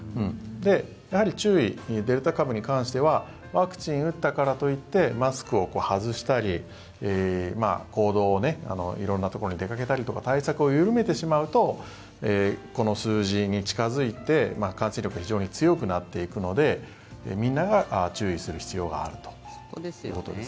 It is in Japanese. やはり注意、デルタ株に関してはワクチンを打ったからといってマスクを外したり行動を色んなところに出かけたりとか対策を緩めてしまうとこの数字に近付いて感染力が強くなっていくのでみんなが注意する必要があるということです。